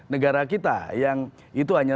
negara kita yang itu hanya